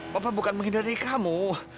papa bukan menghindari kamu